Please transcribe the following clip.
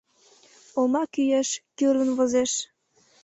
Олма кӱэш, кӱрлын возеш